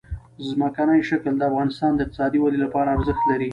ځمکنی شکل د افغانستان د اقتصادي ودې لپاره ارزښت لري.